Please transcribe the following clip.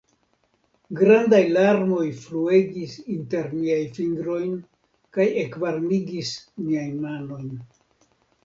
Grandaj larmoj fluegis inter miajn fingrojn kaj ekvarmigis miajn manojn.